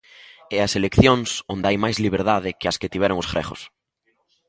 E as eleccións onde hai máis liberdade que as que tiveron os gregos?